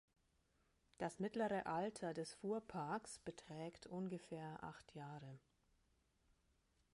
Das mittlere Alter des Fuhrparks beträgt ungefähr acht Jahre.